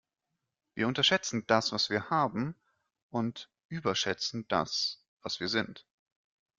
Wir unterschätzen das, was wir haben und überschätzen das, was wir sind.